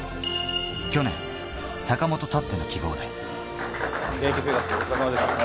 去年、坂本たっての希望で。